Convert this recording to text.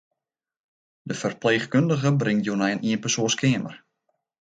De ferpleechkundige bringt jo nei in ienpersoanskeamer.